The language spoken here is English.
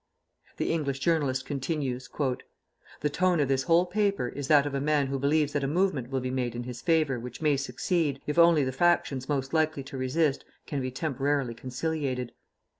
The English journalist continues, "The tone of this whole paper is that of a man who believes that a movement will be made in his favor which may succeed, if only the factions most likely to resist can be temporarily conciliated.